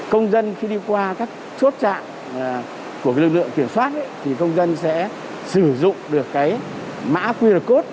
công dân khi đi qua các chốt trạng của lực lượng kiểm soát thì công dân sẽ sử dụng được cái mã qr code